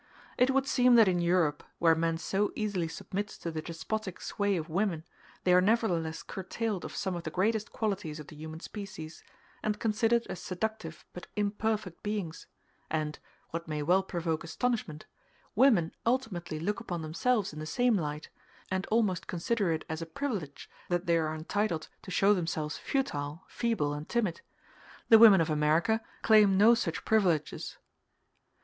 It would seem that in Europe, where man so easily submits to the despotic sway of women, they are nevertheless curtailed of some of the greatest qualities of the human species, and considered as seductive but imperfect beings; and (what may well provoke astonishment) women ultimately look upon themselves in the same light, and almost consider it as a privilege that they are entitled to show themselves futile, feeble, and timid. The women of America claim no such privileges.